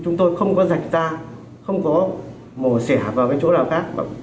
chúng tôi không có rạch ra không có mổ sẻ vào cái chỗ nào khác